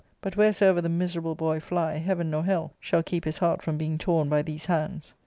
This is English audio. But wheresoever the miserable boy fly, heaven nor hell shall keep his heart from being torn by these hands."